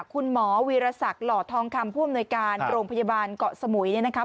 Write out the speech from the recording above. คุณหมอวีรศักดิ์หล่อทองคำผู้อำนวยการโรงพยาบาลเกาะสมุยเนี่ยนะครับ